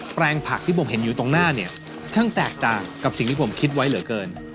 แปลงผักที่ผมเห็นอยู่ตรงหน้าเนี่ยช่างแตกต่างกับสิ่งที่ผมคิดไว้เหลือเกิน